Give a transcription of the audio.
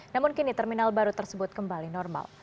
namun kini terminal baru tersebut kembali normal